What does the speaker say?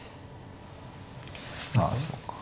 まあそうか。